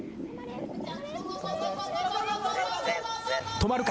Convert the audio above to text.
止まるか？